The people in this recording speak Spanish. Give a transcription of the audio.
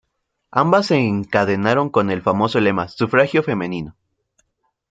Ambas se encadenaron con el famoso lema ¡Sufragio Femenino!